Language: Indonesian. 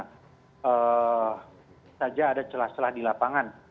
hanya saja ada celah celah di lapangan